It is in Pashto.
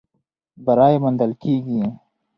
بری موندل کېږي.